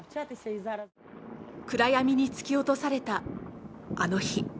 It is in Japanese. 暗闇に突き落とされたあの日。